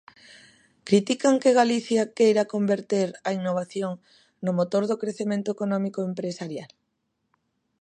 ¿Critican que Galicia queira converter a innovación no motor do crecemento económico e empresarial?